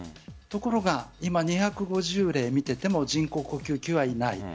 ところが今２５０例見ていても人工呼吸器はいない。